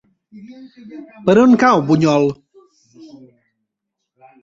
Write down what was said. Per on cau Bunyol?